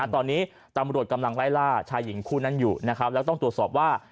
ตอนนี้ตำรวจกำลังไล่ล่าชายหญิงคู่นั้นอยู่นะครับแล้วต้องตรวจสอบว่า